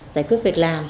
giải quyết việc làm